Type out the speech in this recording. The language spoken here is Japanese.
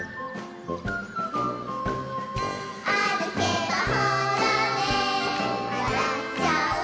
「あるけばほらねわらっちゃう」